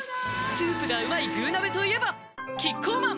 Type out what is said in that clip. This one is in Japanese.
スープがうまい「具鍋」といえばキッコーマン